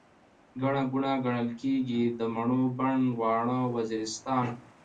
ګڼه ګوڼه، ګڼل کيږي، د مڼو بڼ، واڼه وزيرستان